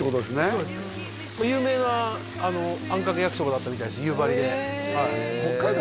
そうです有名なあんかけ焼きそばだったみたいです夕張で北海道